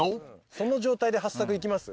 その状態でハッサクいきます？